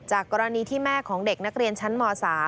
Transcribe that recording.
กรณีที่แม่ของเด็กนักเรียนชั้นม๓